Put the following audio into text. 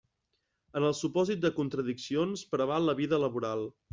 En el supòsit de contradiccions preval la vida laboral.